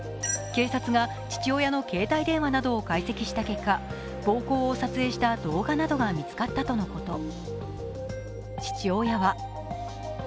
警察が父親の携帯電話などを解析した結果暴行を撮影した動画などが見つかったとのこと。